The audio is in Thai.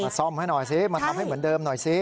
ซ่อมให้หน่อยซิมาทำให้เหมือนเดิมหน่อยสิ